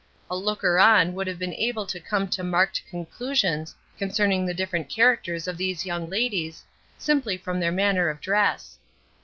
A looker on would have been able to come to marked conclusions concerning the different characters of these young ladies, simply from their manner of dress.